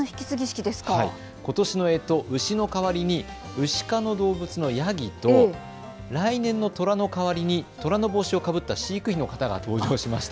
ことしのえと、うしの代わりにウシ科の動物のヤギと来年のとらの代わりにとらの帽子をかぶった飼育員の方が登場しました。